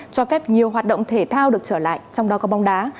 cho phép nhiều hoạt động thể thao được trở lại trong đó có bóng đá